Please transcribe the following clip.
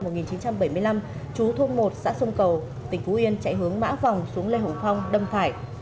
năm một nghìn chín trăm bảy mươi năm chú thuốc một xã sông cầu tỉnh phú yên chạy hướng mã vòng xuống lê hủ phong đâm phải